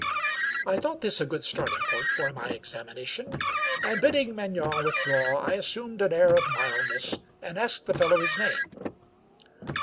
I thought this a good starting point for my examination, and bidding Maignan withdraw, I as sumed ah air of mildness and asked the fellow his name.